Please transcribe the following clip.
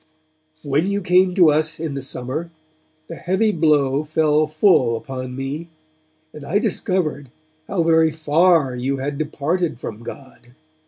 'When you came to us in the summer, the heavy blow fell full upon me; and I discovered how very far you had departed from God.